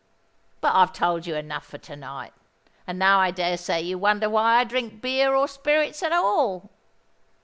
But I've told you enough for to night. And now I dare say you wonder why I drink beer or spirits at all?